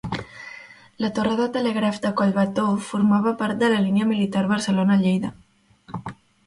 La torre del telègraf de Collbató formava part de la línia militar Barcelona-Lleida.